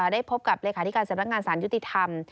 ได้พบกับเลขาธิการสำนักงานสารยุติธรรม